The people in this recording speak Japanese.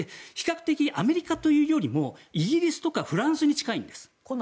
アメリカよりはイギリスとかフランスに近いんです。